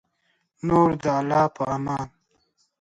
نور د الله په امان